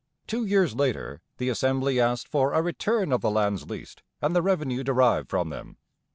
Two years later the Assembly asked for a return of the lands leased and the revenue derived from them.